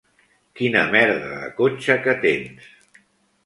Quina merda de cotxe que tens!